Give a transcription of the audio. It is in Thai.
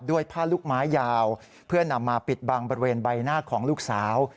ผ้าลูกไม้ยาวเพื่อนำมาปิดบังบริเวณใบหน้าของลูกสาว